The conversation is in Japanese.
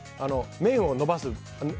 麺をのばす。